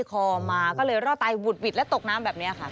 คอมาก็เลยรอดตายหุดหวิดและตกน้ำแบบนี้ค่ะ